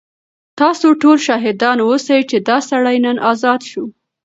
تاسو ټول شاهدان اوسئ چې دا سړی نن ازاد شو.